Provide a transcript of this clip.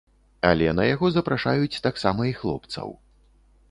Але на яго запрашаюць таксама і хлопцаў.